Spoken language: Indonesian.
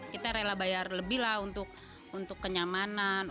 kita rela bayar lebih lah untuk kenyamanan